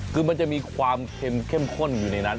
คือมันจะมีความเค็มเข้มข้นอยู่ในนั้น